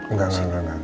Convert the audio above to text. enggak enggak enggak